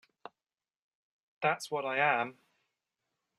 That's what I am.